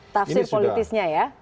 tafsir politisnya ya